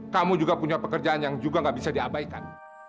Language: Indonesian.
kamu juga punya pekerjaan yang juga gak bisa diabaikan